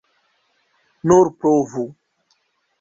Nur provu.